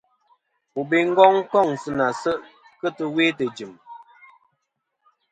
Bobe Ngong kôŋ sɨ nà se' kɨ tɨwe tɨjɨ̀m.